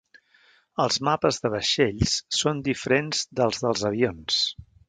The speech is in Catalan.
Els mapes de vaixells són diferents dels dels avions.